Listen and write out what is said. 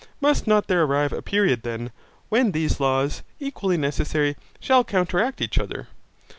Must not there arrive a period then, when these laws, equally necessary, shall counteract each other?